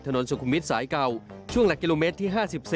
สุขุมวิทย์สายเก่าช่วงหลักกิโลเมตรที่๕๔